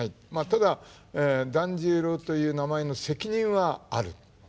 ただ團十郎という名前の責任はある。